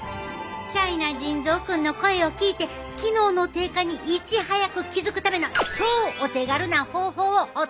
シャイな腎臓君の声を聞いて機能の低下にいち早く気付くための超お手軽な方法をお届けするで。